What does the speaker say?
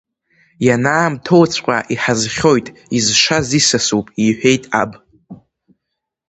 Ианаамҭоуҵәҟьа иҳазхьоит, изшаз исасуп, – иҳәеит аб.